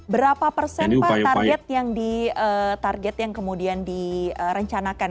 berapa persen pak target yang kemudian direncanakan